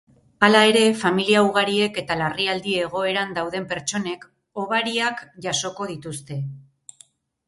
Hala ere, familia ugariek eta larrialdi egoeran dauden pertsonek hobariak jasoko dituzte.